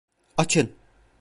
Açın!